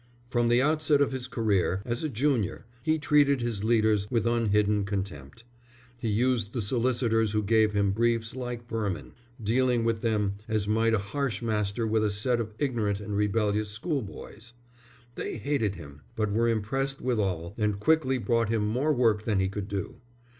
From the outset of his career, as a junior, he treated his leaders with unhidden contempt. He used the solicitors who gave him briefs like vermin, dealing with them as might a harsh master with a set of ignorant and rebellious school boys. They hated him, but were impressed withal, and quickly brought him more work than he could do.